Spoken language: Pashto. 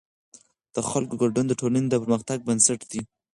د خلکو ګډون د ټولنې د پرمختګ بنسټ دی